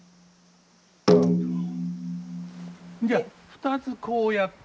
じゃあ２つこうやって。